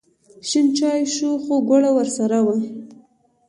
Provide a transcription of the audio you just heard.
شین چای شو خو ګوړه ورسره وه.